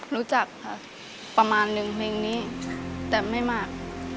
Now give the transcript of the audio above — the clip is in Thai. รู้จักค่ะประมาณนึงเพลงนี้แต่ไม่มาก